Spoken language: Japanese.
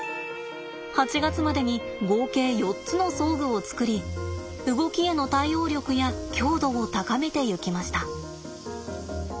８月までに合計４つの装具を作り動きへの対応力や強度を高めてゆきました。